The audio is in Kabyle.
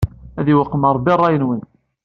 Ad yewqem Rebbi rray-nwen.